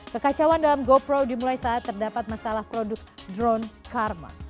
kekacauan dalam goprow dimulai saat terdapat masalah produk drone karma